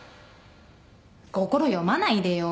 心読まないでよ。